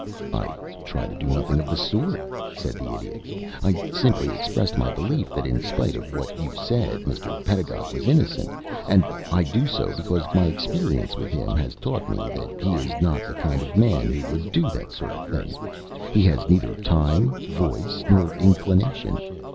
"I try to do nothing of the sort," said the Idiot. "I simply expressed my belief that in spite of what you said Mr. Pedagog was innocent, and I do so because my experience with him has taught me that he is not the kind of man who would do that sort of thing. He has neither time, voice, nor inclination.